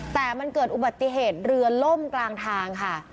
แต่มันเกิดอุบัติเหตุเรือล่มกลางทางค่ะ